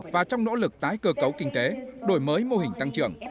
và trong nỗ lực tái cơ cấu kinh tế đổi mới mô hình tăng trưởng